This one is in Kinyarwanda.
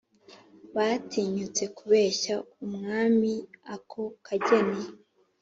batinyutse kubeshya umwamiako kageni